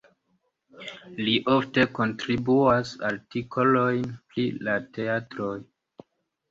Li ofte kontribuas artikolojn pri la teatroj.